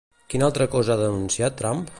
Quina altra cosa ha denunciat Trump?